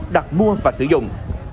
để mua và sử dụng